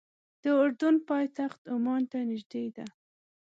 د اردن پایتخت عمان ته نږدې ده.